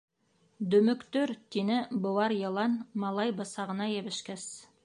— Дөмөктөр! — тине быуар йылан, малай бысағына йәбешкәс.